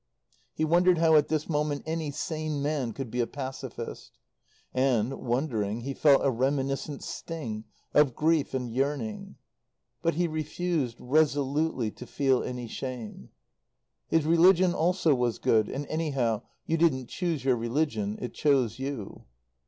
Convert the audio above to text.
He wondered how at this moment any sane man could be a Pacifist. And, wondering, he felt a reminiscent sting of grief and yearning. But he refused, resolutely, to feel any shame. His religion also was good; and, anyhow, you didn't choose your religion; it chose you.